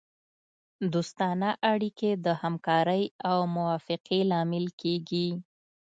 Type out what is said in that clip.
دوستانه اړیکې د همکارۍ او موافقې لامل کیږي